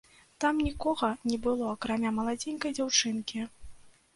Там нікога не было, акрамя маладзенькай дзяўчынкі.